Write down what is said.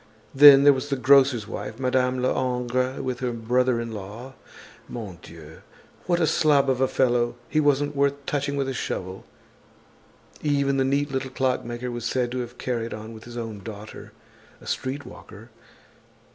Then there was the grocer's wife, Madame Lehongre with her brother in law. Mon Dieu! What a slob of a fellow. He wasn't worth touching with a shovel. Even the neat little clockmaker was said to have carried on with his own daughter, a streetwalker.